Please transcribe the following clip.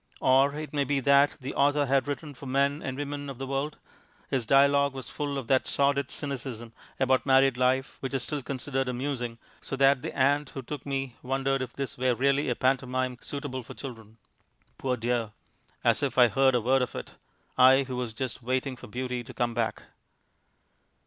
Or it may be that the author had written for men and women of the world; his dialogue was full of that sordid cynicism about married life which is still considered amusing, so that the aunt who took me wondered if this were really a pantomime suitable for children. Poor dear! as if I heard a word of it, I who was just waiting for Beauty to come back.